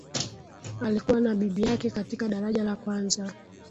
alikuwa na bibi yake katika daraja la kwanza